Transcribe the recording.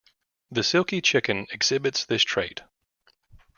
The Silkie chicken exhibits this trait.